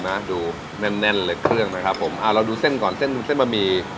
นะดูแน่นแน่นเลยเครื่องนะครับผมอ่าเราดูเส้นก่อนเส้นดูเส้นบะหมี่